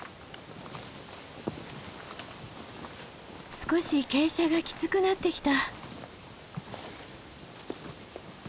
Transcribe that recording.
少し傾斜がきつくなってきた。